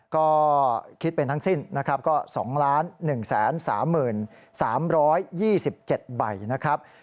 ก็คิดเป็นทั้งสิ้นนะครับก็๒๑๓๓๒๗ใบนะครับ